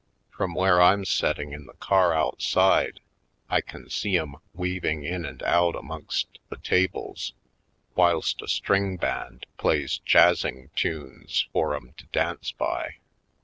From where I'm setting in the car outside I can see 'em weaving in and out amongst the tables whilst a string band plays jazz ing tunes for 'em to dance by.